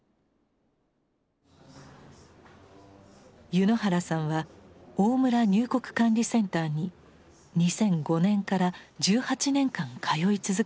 柚之原さんは大村入国管理センターに２００５年から１８年間通い続けています。